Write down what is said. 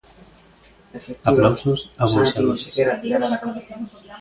Aplausos abouxadores.